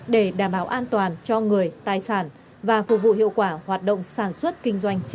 để đảm bảo an toàn cho người tài sản và phục vụ hiệu quả hoạt động sản xuất kinh doanh trên địa